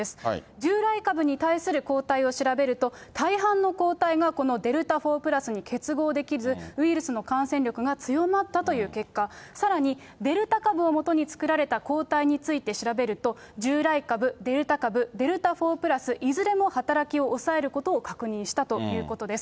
従来株に対する抗体を調べると、大半の抗体がこのデルタ４＋に結合できず、ウイルスの感染力が強まったという結果、さらにデルタ株をもとに作られた抗体について調べると、従来株、デルタ株、デルタ４＋、いずれも働きを抑えることを確認したということです。